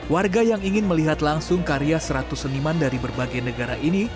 warga yang ingin melihat langsung karya seratus seniman dari berbagai negara ini